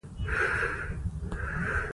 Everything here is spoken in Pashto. افغانستان کې کندز سیند د چاپېریال د تغیر نښه ده.